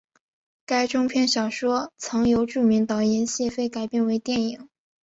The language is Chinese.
该中篇小说曾由著名导演谢飞改编为电影。